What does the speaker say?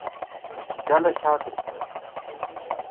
ډله شا ته شوه.